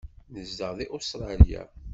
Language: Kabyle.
Nezdeɣ deg Ustṛalya.